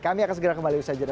kami akan segera kembali bersajar